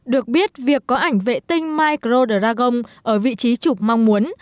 được biết việc có ảnh vệ tinh microdragon ở vị trí chụp mong muốn